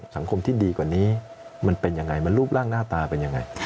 สังคมที่ดีกว่านี้มันเป็นยังไงมันรูปร่างหน้าตาเป็นยังไง